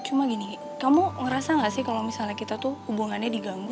cuma gini kamu ngerasa gak sih kalau misalnya kita tuh hubungannya diganggu